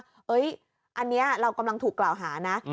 อันนี้เรากำลังถูกกล่าวหานะ